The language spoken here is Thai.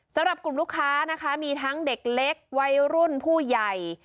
สำหรับกลุ่มลูกค้านะคะมีทั้งเด็กเล็กวัยรุ่นผู้ใหญ่